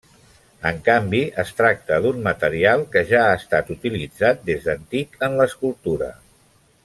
En canvi, es tracta d’un material que ja ha estat utilitzat des d’antic en l’escultura.